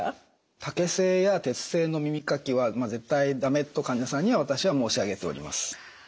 竹製や鉄製の耳かきは絶対だめと患者さんには私は申し上げております。